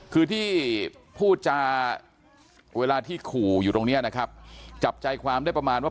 คือที่พูดจาเวลาที่ขู่อยู่ตรงนี้นะครับจับใจความได้ประมาณว่า